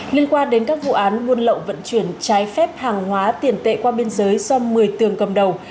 liên quan đến các vụ án buôn lậu vận chuyển trái phép hàng hóa tiền tệ qua biên giới do một mươi tường cầm đầu